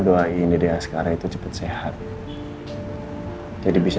nah biasa juga ada tante jess